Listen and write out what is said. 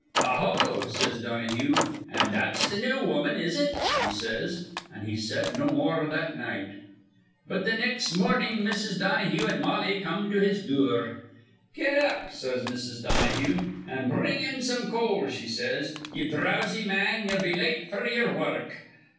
'A ho,' says Donahue. 'An' that's th' new woman, is it?' he says. An' he said no more that night. "But th' nex' mornin' Mrs. Donahue an' Mollie come to his dure. 'Get up,' says Mrs. Donahue, 'an' bring in some coal,' she says. 'Ye drowsy man, ye'll be late f'r ye'er wurruk.'